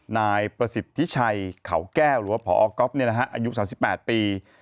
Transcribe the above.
นายประสิทธิชัยเขาแก้วหรือว่าพอก๊อฟอายุ๓๘ปี